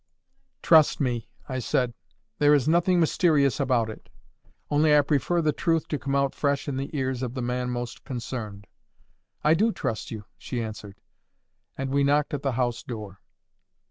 "Trust me," I said. "There is nothing mysterious about it. Only I prefer the truth to come out fresh in the ears of the man most concerned." "I do trust you," she answered. And we knocked at the house door.